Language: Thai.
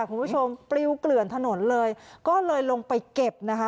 คุณผู้ชมปลิวเกลื่อนถนนเลยก็เลยลงไปเก็บนะคะ